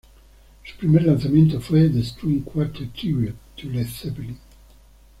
Su primer lanzamiento fue "The String Quartet Tribute to Led Zeppelin".